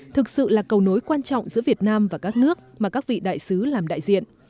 thực sự là cầu nối quan trọng giữa việt nam và các nước mà các vị đại sứ làm đại diện